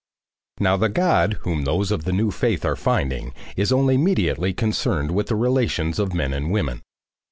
Now the God whom those of the new faith are finding is only mediately concerned with the relations of men and women.